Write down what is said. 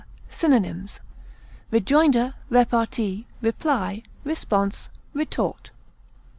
Synonyms: rejoinder, repartee, reply, response, retort.